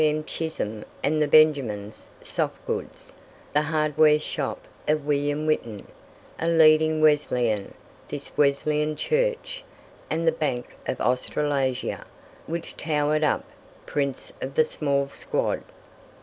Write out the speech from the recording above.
M. Chisholm and the Benjamins, soft goods; the hardware shop of William Witton, a leading Wesleyan, his Wesleyan Church, and the Bank of Australasia, which towered up, prince of the small squad.